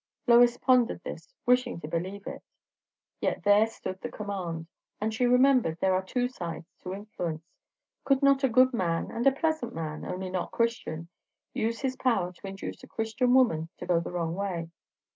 Lois pondered this, wishing to believe it. Yet there stood the command. And she remembered there are two sides to influence; could not a good man, and a pleasant man, only not Christian, use his power to induce a Christian woman to go the wrong way?